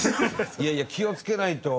いやいや気をつけないと。